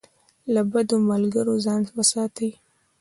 له بدو ملګرو ځان وساتئ.